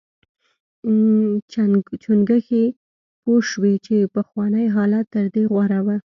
چنګښې پوه شوې چې پخوانی حالت تر دې غوره و.